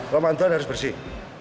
ramadan harus bersih